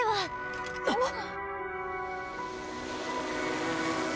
あっ。